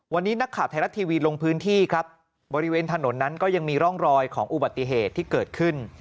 วันนี้นักข่าวไทยรัฐทีวีลงพื้นที่ครับบริเวณถนนนั้นก็ยังมีร่องรอยของอุบัติเหตุที่เกิดขึ้น